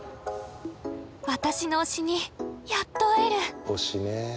私の推しにやっと会える！